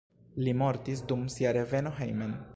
Li mortis dum sia reveno hejmen.